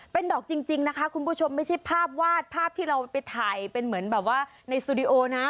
เป็นดอกจริงนะคะคุณผู้ชมไม่ใช่ภาพวาดภาพที่เราไปถ่ายเป็นเหมือนแบบว่าในสตูดิโอนะ